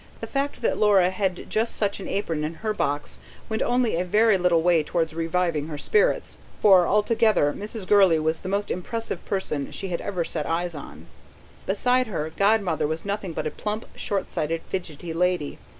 The fact that Laura had just such an apron in her box went only a very little way towards reviving her spirits; for altogether Mrs. Gurley was the most impressive person she had ever set eyes on. Beside her, God mother was nothing but a plump, shortsighted fidgety lady.